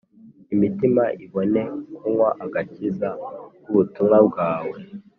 Imitima ibone kunywa agakiza k’ubutumwa bwawe